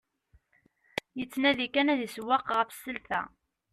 Yettnadi kan ad isewweq ɣef selfa.